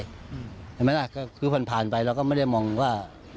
เห็นไหมล่ะก็คือผ่านไปเราก็ไม่ได้มองว่า